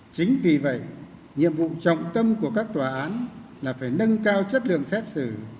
chính vì vậy nhiệm vụ trọng tâm của các tòa án là phải nâng cao chất lượng xét xử